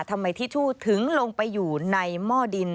ทิชชู่ถึงลงไปอยู่ในหม้อดิน